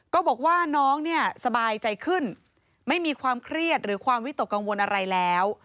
ก็บอกว่าน้องเนี่ยสบายใจขึ้นไม่มีความเครียดหรือความวิตกกังวลอะไรแล้ว